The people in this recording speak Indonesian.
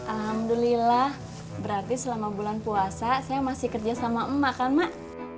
alhamdulillah berarti selama bulan puasa saya masih kerja sama emak kan mak